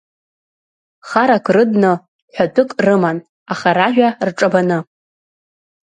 Харак рыдны, ҳәатәык рыман, аха ражәа рҿабаны.